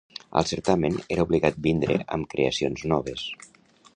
Al certamen, era obligat vindre amb creacions noves.